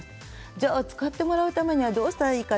じゃあ、使ってもらうためにはどうしたらいいか。